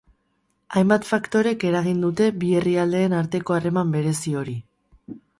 Hainbat faktorek eragin dute bi herrialdeen arteko harreman berezi hori.